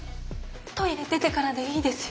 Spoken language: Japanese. トイレ出てからでいいですよ。